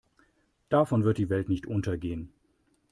Davon wird die Welt nicht untergehen.